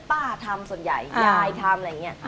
ป้าทำส่วนใหญ่ยายทำอะไรอย่างนี้